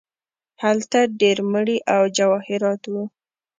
هلته ډیر مړي او جواهرات وو.